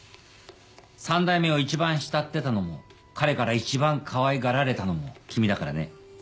三代目を一番慕ってたのも彼から一番かわいがられたのも君だからね。